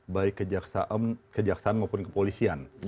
baik kejaksaan maupun kepolisian